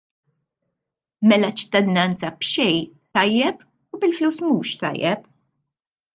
Mela ċittadinanza b'xejn tajjeb u bil-flus mhux tajjeb!